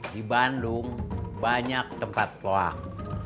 di bandung banyak tempat loak